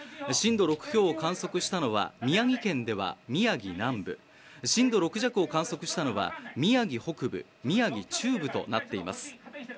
震度６強を観測したのは宮城県では宮城南部、震度６弱を観測したのは宮城北部宮城中部となっています。